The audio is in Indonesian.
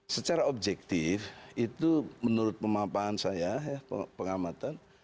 secara objektif itu menurut pemampahan saya pengamatan